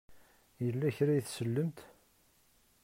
Yella kra ay tsellemt?